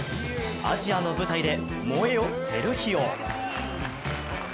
アジアの舞台で燃えよセルヒオ！